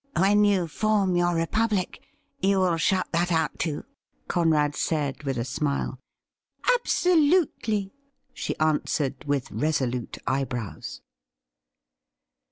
' When you form your republic, you will shut that out too .?' Conrad said, with a smile. ' Absolutely,' she answered, with resolute eyebrows.